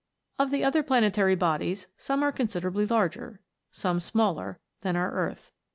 Of the other planetary bodies, some are consider ably larger, some smaller, than our earth.